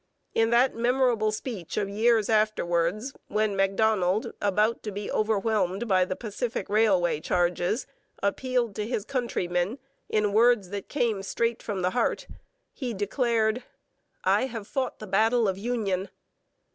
In that memorable speech of years afterwards when Macdonald, about to be overwhelmed by the Pacific Railway charges, appealed to his countrymen in words that came straight from the heart, he declared: 'I have fought the battle of union.'